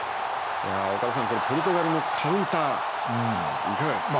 岡田さん、ポルトガルのカウンターいかがですか。